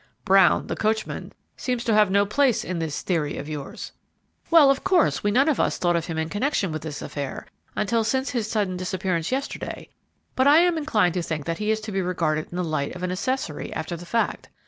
"Brown, the coachman, seems to have no place in this theory of yours." "Well, of course we none of us thought of him in connection with this affair until since his sudden disappearance yesterday, but I am inclined to think that he is to be regarded in the light of an accessory after the fact.